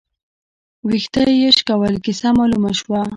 ، وېښته يې شکول، کيسه مالومه شوه